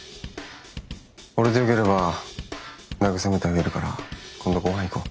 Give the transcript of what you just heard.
俺でよければ慰めてあげるから今度ごはん行こう。